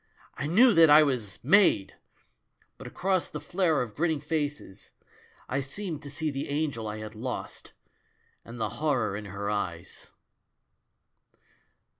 I knew that I was 'made' ! But across the flare of grinning faces, I seemed to see the Angel 1 had lost and the horror in her eyes."